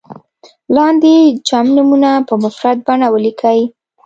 لاندې جمع نومونه په مفرد بڼه ولیکئ.